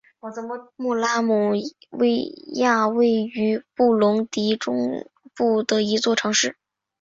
穆拉姆维亚位于布隆迪中部的一座城市。